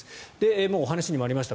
もうお話にもありました